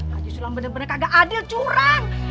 haji sulam bener bener kagak adil curang